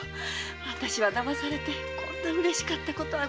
私はだまされてこんなにうれしかった事は。